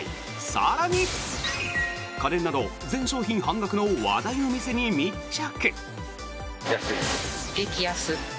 更に、家電など全商品半額の話題の店に密着。